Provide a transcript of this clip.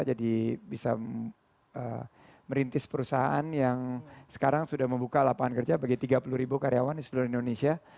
jadi bisa merintis perusahaan yang sekarang sudah membuka lapangan kerja bagi tiga puluh ribu karyawan di seluruh indonesia